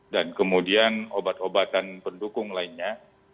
dan kemudian obat obatan pendukung lainnya